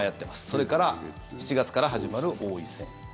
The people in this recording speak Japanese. それから７月から始まる王位戦。